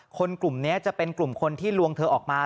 กลุ่มนี้จะเป็นกลุ่มคนที่ลวงเธอออกมา